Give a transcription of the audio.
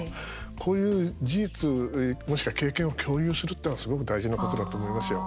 こういう事実、もしくは経験を共有するっていうのはすごく大事なことだと思いますよ。